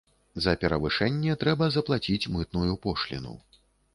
За перавышэнне трэба заплаціць мытную пошліну.